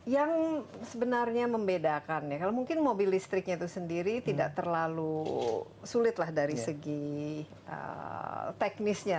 yang sebenarnya membedakan ya kalau mungkin mobil listriknya itu sendiri tidak terlalu sulit lah dari segi teknisnya